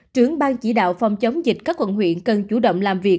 trưởng bang chỉ đạo phòng chống dịch các quận huyện cần chủ động làm việc